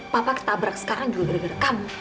bapak ketabrak sekarang juga gara gara kamu